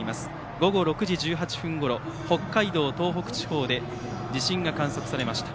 午後６時１８分ごろ北海道、東北地方で地震が観測されました。